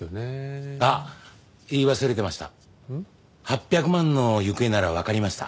８００万の行方ならわかりました。